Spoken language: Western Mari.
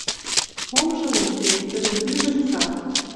Омжы уке. Тӹдӹм ӱжӹн сад.